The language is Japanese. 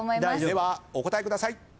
ではお答えください。